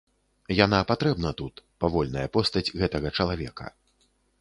Яна патрэбна тут, павольная постаць гэтага чалавека.